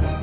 suara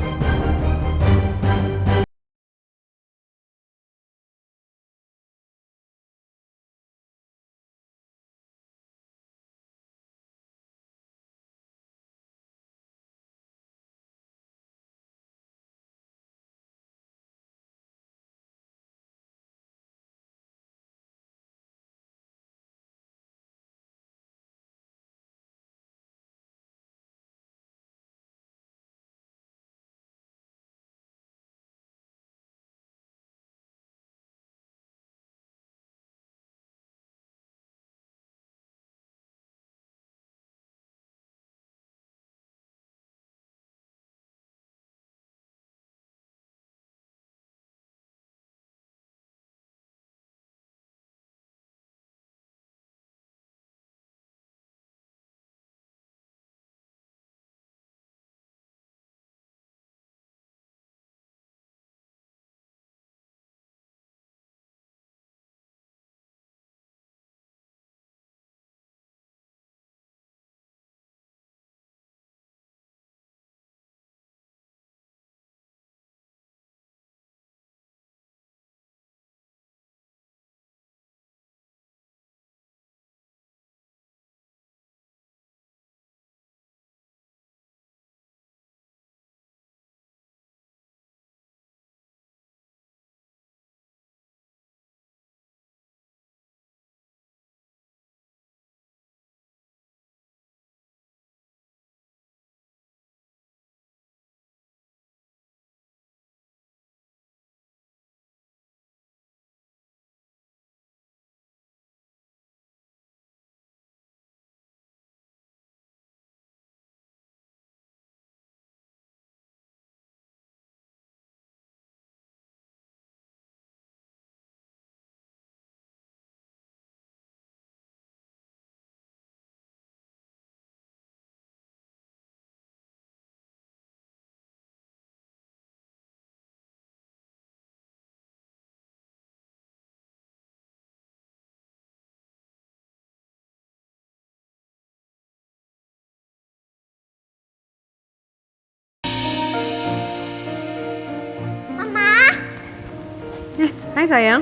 anakku gak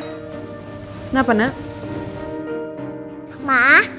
kenapa napa kan mama